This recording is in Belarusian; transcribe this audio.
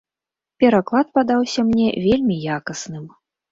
Пераклад падаўся мне вельмі якасным.